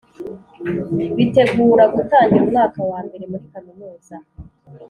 bitegura gutangira umwaka wa mbere muri Kaminuza